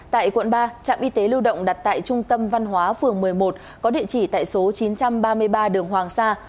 tại quận ba trạm y tế lưu động đặt tại trung tâm văn hóa phường một mươi một có địa chỉ tại số chín trăm ba mươi ba đường hoàng sa